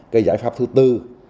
cái giải pháp thứ tư